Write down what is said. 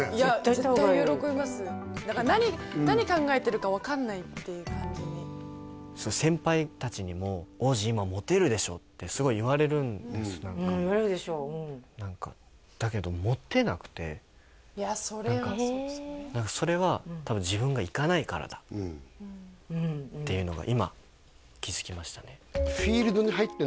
絶対喜びますだから何考えてるか分かんないっていう感じに先輩達にも「央士今モテるでしょ！」ってすごい言われるんです何か言われるでしょうんだけどそれは多分自分が行かないからだっていうのが今気づきましたねああ